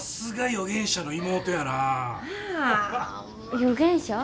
予言者？